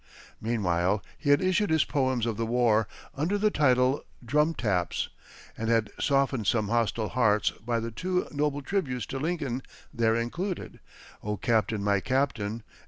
Meanwhile he had issued his poems of the war, under the title "Drum Taps," and had softened some hostile hearts by the two noble tributes to Lincoln there included, "O Captain, my Captain!"